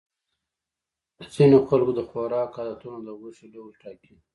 د ځینو خلکو د خوراک عادتونه د غوښې ډول ټاکي.